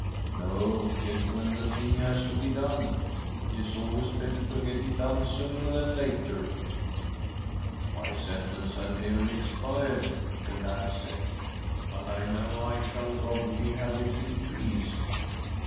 ' No, yet when the thing has to be done, it is always better to get it done sooner, than later.' 'My sentence' had nearly expired,' the lad said, ' but 1 now I shall probably have it increased.'